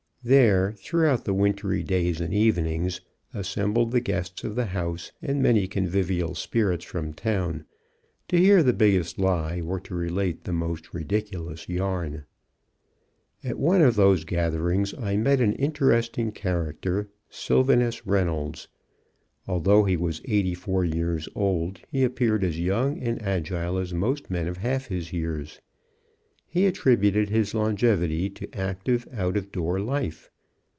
There, throughout the wintry days and evenings, assembled the guests of the house and many convivial spirits from town, to hear the biggest lie, or to relate the most ridiculous yarn. At one of those gatherings, I met an interesting character Sylvenus Reynolds. Although he was eighty four years old, he appeared as young and agile as most men of half his years. He attributed his longevity to active out of door life.